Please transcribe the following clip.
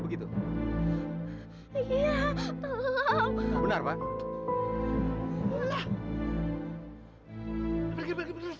pergi pergi pergi